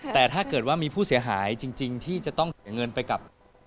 แต่ถ้าเกิดว่ามีผู้เสียหายจริงที่จะต้องเสียเงินไปกับ